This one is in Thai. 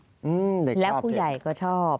เด็กชอบสิและผู้ใหญ่ก็ชอบ